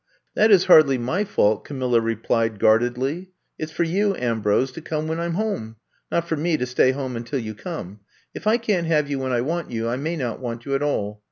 '' That is hardly my fault," Camilla re plied guardedly. It 's for you, Ambrose, to come when I 'm home — not for me to stay home until you come. If I can 't have you when I want you, I may not want you at all.